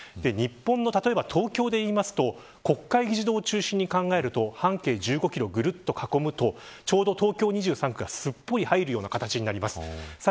日本の東京でいうと国会議事堂を中心に考えると半径１５キロをぐるっと囲むとちょうど東京２３区がすっぽり入る形になります。